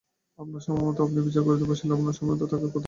আপনার সময়মত আপনি বিচার করিতে বসিলে আমার সময় থাকে কোথা?